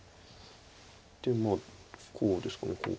まあこうですかこう。